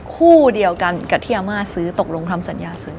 คู่เดียวกันกับที่อาม่าซื้อตกลงทำสัญญาซื้อ